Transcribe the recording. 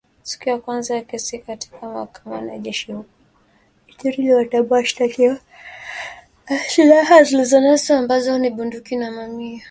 Siku ya kwanza ya kesi katika mahakama ya kijeshi huko Ituri iliwatambua washtakiwa na silaha zilizonaswa ambazo ni bunduki na mamia ya risasi